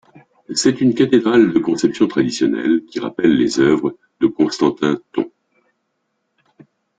C'est une cathédrale de conception traditionnelle qui rappelle les œuvres de Constantin Thon.